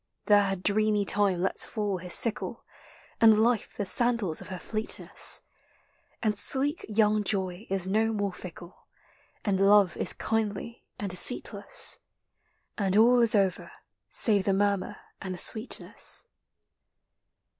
There dreamy Time lets fall his sickle And Life the sandals of her fleetness, NATURE'S INFLUENCE. 23 And sleek young Joy is no more fickle, And Love is kindly and deceitless, And all is over save the murmur and the sweet ness.